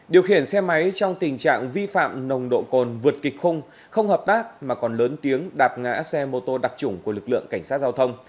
điều khiển xe máy trong tình trạng vi phạm nồng độ cồn vượt kịch khung không hợp tác mà còn lớn tiếng đạp ngã xe mô tô đặc trủng của lực lượng cảnh sát giao thông